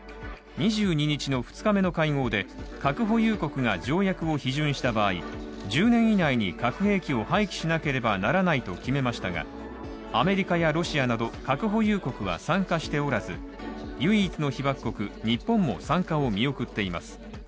２２日の２日目の会合で、核保有国が条約を批准した場合、１０年以内に核兵器を廃棄しなければならないと決めましたが、アメリカやロシアなど核保有国は参加しておらず、唯一の被爆国・日本も参加を見送っています。